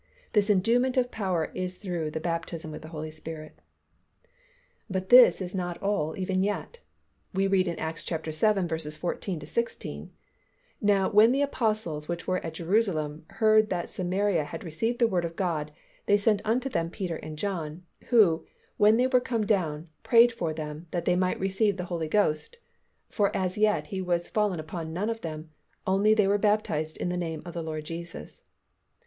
This enduement of power is through the baptism with the Holy Spirit. But this is not all even yet. We read in Acts vii. 14 16, "Now when the Apostles which were at Jerusalem heard that Samaria had received the Word of God, they sent unto them Peter and John: who, when they were come down, prayed for them, that they might receive the Holy Ghost (for as yet He was fallen upon none of them: only they were baptized in the name of the Lord Jesus)."